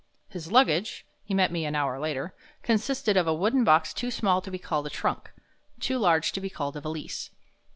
His luggage he met me an hour later consisted of a wooden box too small to be called a trunk, too large to be called a valise.